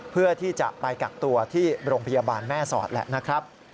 เพื่อที่จะไปกักตัวที่โรงพยาบาลแม่สอดแหละนะครับ